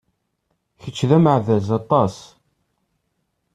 Kečč d ameɛdaz aṭas!